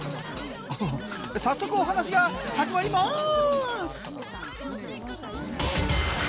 おお早速お話が始まります。